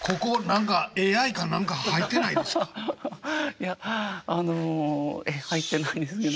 いや入ってないんですけど。